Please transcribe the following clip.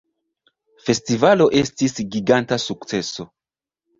Festivalo estis giganta sukceso